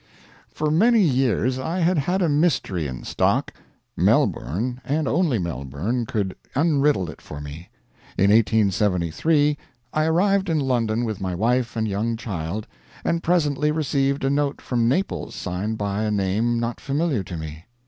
For many years I had had a mystery in stock. Melbourne, and only Melbourne, could unriddle it for me. In 1873 I arrived in London with my wife and young child, and presently received a note from Naples signed by a name not familiar to me.